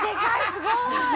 すごーい。